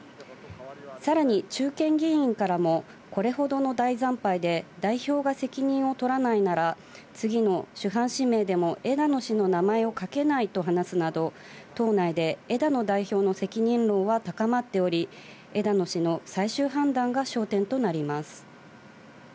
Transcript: さらに中堅議員からもこれほどの大惨敗で代表が責任を取らないなら、次の首班指名でも枝野氏の名前を書けないと話すなど、党内で枝野代表の責任論は高まっており、枝野氏の最終判断が焦点となります。